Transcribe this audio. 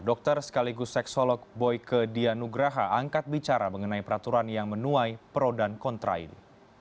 dokter sekaligus seksolog boyke dianugraha angkat bicara mengenai peraturan yang menuai pro dan kontra ini